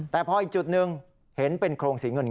แต่พออีกจุดหนึ่งเห็นเป็นโครงสีเงิน